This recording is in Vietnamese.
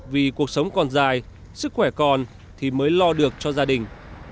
vì cuộc sống còn dài sức khỏe còn thì mới lo được cho gia đình